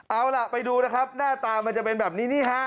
เอาล่ะไปดูนะครับหน้าตามันจะเป็นแบบนี้นี่ฮะ